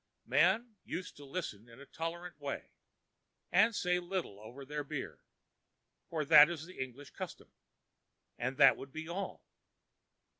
Men used to listen in a tolerant way, and say little over their beer, for that is the English custom; and that would be all.